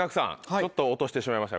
ちょっと落としてしまいました